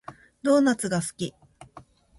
ドーナツが好き